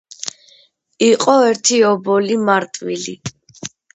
იყო ერთი ობოლი მარტვილი.